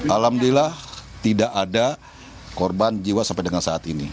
alhamdulillah tidak ada korban jiwa sampai dengan saat ini